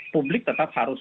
publik tetap harus